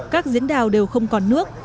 các diễn đào đều không còn nước